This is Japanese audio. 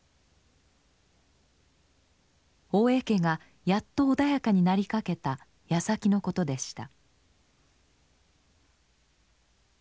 大江家がやっと穏やかになりかけたやさきのことでした。